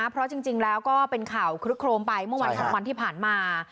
เพราะจริงแล้วก็เป็นข่าวคลึกโครมไปเมื่อวัน๒วันที่ผ่านมา